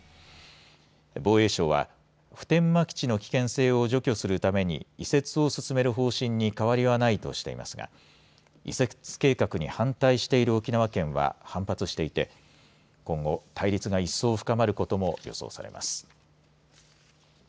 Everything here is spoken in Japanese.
防衛省は普天間基地の危険性を除去するために移設を進める方針に変わりはないとしていますが移設計画に反対している沖縄県は反発していて今後、対立が一層深まることも予想されます。